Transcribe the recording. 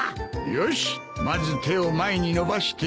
よしっまず手を前に伸ばして。